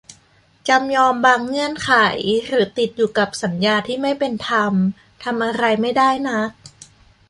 จำยอมบางเงื่อนไข หรือติดอยู่กับสัญญาที่ไม่เป็นธรรม ทำอะไรไม่ได้นัก